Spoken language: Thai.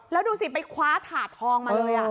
แล้วดูสิไปคว้าถาดทองมาเลย